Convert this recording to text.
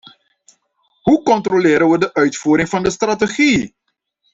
Hoe controleren we de uitvoering van de strategie?